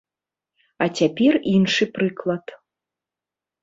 А цяпер іншы прыклад.